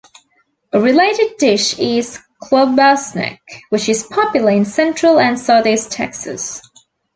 A related dish is a klobasnek, which is popular in central and southeast Texas.